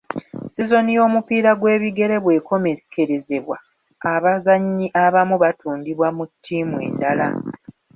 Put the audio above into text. Sizoni y'omupiira gw'ebigere bwe komekkerezebwa, abazannyi abamu batundibwa mu ttiimu endala.